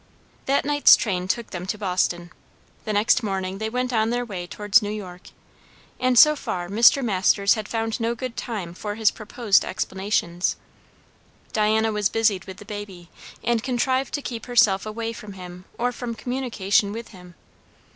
That night's train took them to Boston. The next morning they went on their way towards New York; and so far Mr. Masters had found no good time for his proposed explanations. Diana was busied with the baby, and contrived to keep herself away from him or from communication with him.